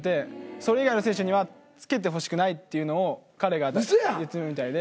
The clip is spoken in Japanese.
「それ以外の選手には付けてほしくない」っていうのを彼が言ってるみたいで。